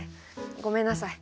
ごめんなさい。